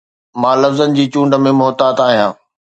مان لفظن جي چونڊ ۾ محتاط آهيان